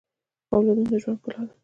اولادونه د ژوند ښکلا ده